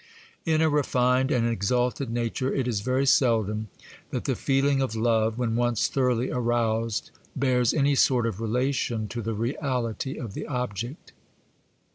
In a refined and exalted nature it is very seldom that the feeling of love, when once thoroughly aroused, bears any sort of relation to the reality of the object.